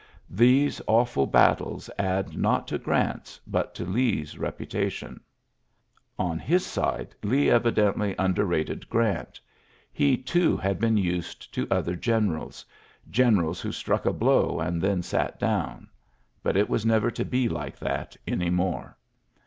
These awfiil battles add not to Oranf s, but to Lee's reputation* On his side, Lee evidently underrated Grant. He, too, had been used to other generals — generals who struck a blow and then sat down. But it was never to be like that any more.